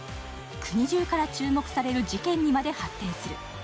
国中から注目される事件にまで発展する。